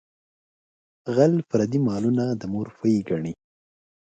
غل پردي مالونه د مور پۍ ګڼي.